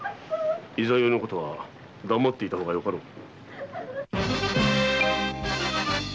十六夜のことは黙っていた方がよかろう。